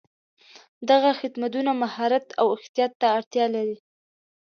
دغه خدمتونه مهارت او احتیاط ته اړتیا لري.